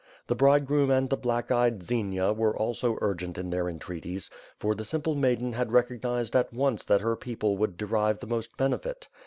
The bridegroom and the black eyed Xenia were also urgent in their entreaties; for the simple maiden had recognized at once that her people would derive the most benefit.